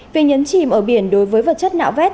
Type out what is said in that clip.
việc nhấn chỉn ở biển đối với vật chất nạo vét